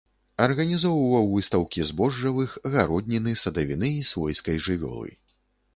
Арганізоўваў выстаўкі збожжавых, гародніны, садавіны і свойскай жывёлы.